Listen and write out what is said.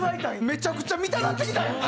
めちゃくちゃ見たなってきたやん。